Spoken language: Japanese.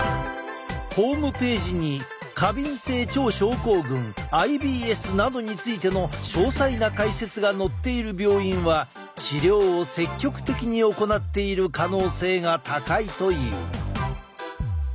ホームページに過敏性腸症候群などについての詳細な解説が載っている病院は治療を積極的に行っている可能性が高いという。